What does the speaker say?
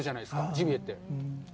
ジビエって。